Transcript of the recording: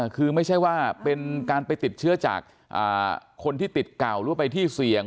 คือไม่ใช่ว่าเป็นการไปติดเชื้อจากคนที่ติดเก่าหรือว่าไปที่เสี่ยง